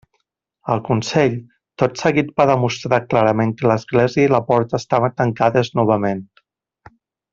El consell, tot seguit va demostrar clarament que l'església i la porta estaven tancades novament.